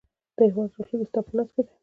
د هیواد راتلونکی ستا په لاس کې دی.